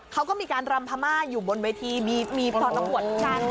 เขาก็มีการรำพม่าอยู่บนเวทีมีตอนรับหวัดการพม่า